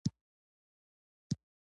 قلم دې ورک شو.